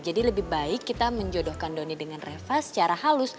jadi lebih baik kita menjodohkan donny dengan reva secara halus